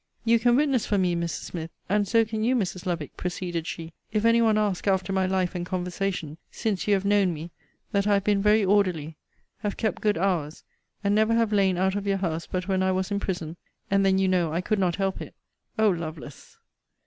You can witness for me, Mrs. Smith, and so can you, Mrs. Lovick, proceeded she, if any one ask after my life and conversation, since you have known me, that I have been very orderly; have kept good hours; and never have lain out of your house but when I was in prison; and then you know I could not help it. O, Lovelace!